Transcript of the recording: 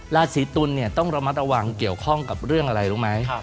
ราศีตุลต้องระวังเกี่ยวข้องกับเรื่องอะไรรู้ไหม